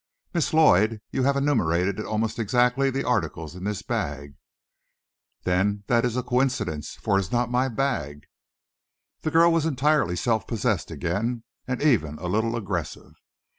"Miss Lloyd, you have enumerated almost exactly the articles in this bag." "Then that is a coincidence, for it is not my bag." The girl was entirely self possessed again, and even a little aggressive.